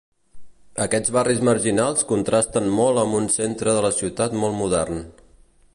Aquests barris marginals contrasten molt amb un centre de la ciutat molt modern.